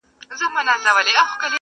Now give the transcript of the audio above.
شیرینی به یې لا هم ورته راوړلې.!